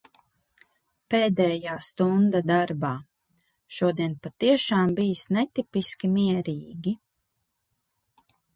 Pēdējā stunda darbā. Šodien patiešām bijis netipiski mierīgi.